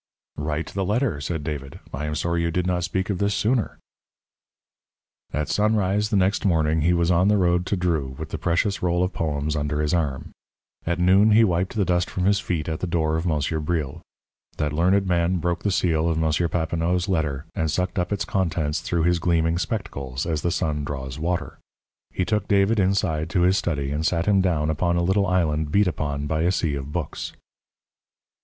"Write the letter," said David, "I am sorry you did not speak of this sooner." At sunrise the next morning he was on the road to Dreux with the precious roll of poems under his arm. At noon he wiped the dust from his feet at the door of Monsieur Bril. That learned man broke the seal of M. Papineau's letter, and sucked up its contents through his gleaming spectacles as the sun draws water. He took David inside to his study and sat him down upon a little island beat upon by a sea of books.